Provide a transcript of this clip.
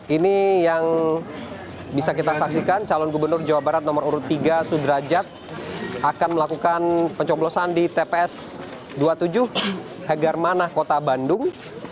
ini yang bisa kita saksikan calon gubernur jawa barat nomor urut tiga sudrajat akan melakukan pencoblosan di tps dua puluh tujuh hegar manah kota bandung